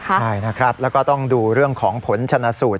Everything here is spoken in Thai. ใช่นะครับแล้วก็ต้องดูเรื่องของผลชนะสูตร